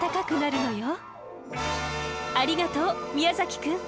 ありがとう宮崎くん。